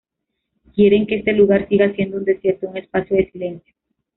Quieren que este lugar siga siendo un "desierto", un espacio de silencio.